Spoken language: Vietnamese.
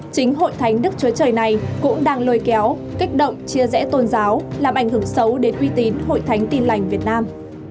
chính hội thánh đức chúa trời này cũng đang lôi kéo kích động chia rẽ tôn giáo làm ảnh hưởng xấu đến uy tín hội thánh tin lành việt nam